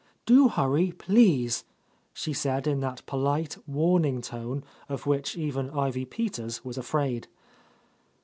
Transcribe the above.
"Do hurry, please," she said in that polite, warn ing tone of which even Ivy Peters was afraid.